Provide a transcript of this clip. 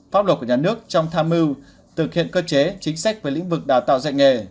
pháp luật của nhà nước trong tham mưu thực hiện cơ chế chính sách về lĩnh vực đào tạo dạy nghề